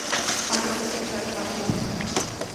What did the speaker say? آج بھی سب کا نشانہ نوازشریف ہیں۔